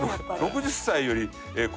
６０歳より超え